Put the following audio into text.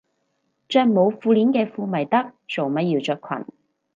着冇褲鏈嘅褲咪得，做乜要着裙